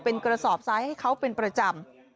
เป็นกระสอบซ้ายให้เขาเป็นประจำ